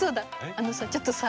あのさちょっとさ